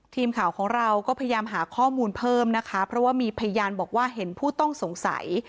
ทีมข่าวของเราก็พยายามหาข้อมูลเพิ่มนะคะเพราะว่ามีพยานบอกว่าเห็นผู้ต้องสงสัย